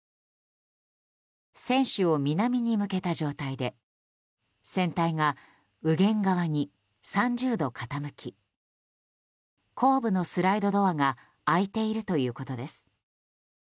船首を南に向けた状態で船体が右舷側に３０度傾き後部のスライドドアが開いているということです。